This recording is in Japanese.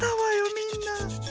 みんな。